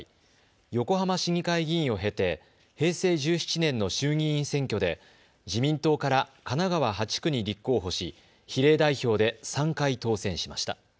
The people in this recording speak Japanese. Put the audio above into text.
横浜市議会議員を経て、平成１７年の衆議院選挙で自民党から神奈川８区に立候補し比例代表で３回当選しました。